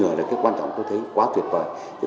ngăn ngừa là cái quan trọng tôi thấy quá tuyệt vời